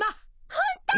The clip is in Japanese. ホント！？